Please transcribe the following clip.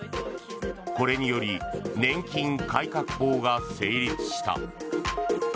これにより年金改革法が成立した。